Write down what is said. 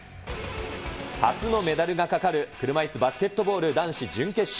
初のメダルがかかる車いすバスケットボール男子準決勝。